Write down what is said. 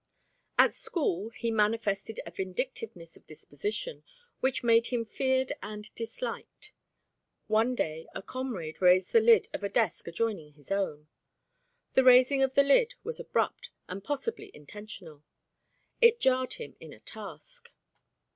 At school, he manifested a vindictiveness of disposition which made him feared and disliked. One day, a comrade raised the lid of a desk adjoining his own. The raising of the lid was abrupt and possibly intentional. It jarred him in a task.